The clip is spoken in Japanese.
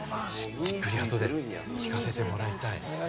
じっくり後で聞かせてもらいたい。